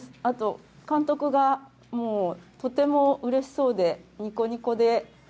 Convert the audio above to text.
あと、監督がもうとてもうれしそうで、にこにこで、